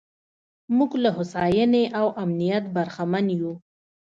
موږ له هوساینې او امنیت برخمن یو.